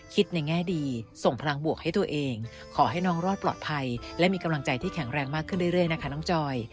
ในแง่ดีส่งพลังบวกให้ตัวเองขอให้น้องรอดปลอดภัยและมีกำลังใจที่แข็งแรงมากขึ้นเรื่อยนะคะน้องจอย